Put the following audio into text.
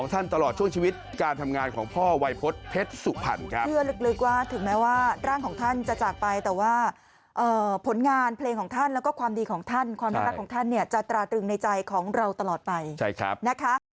ท่านจะจากไปแต่ว่าเอ่อผลงานเพลงของท่านแล้วก็ความดีของท่านความรักของท่านเนี่ยจะตราดึงในใจของเราตลอดไปใช่ครับนะครับ